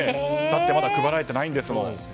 だってまだ配られてないんですもん。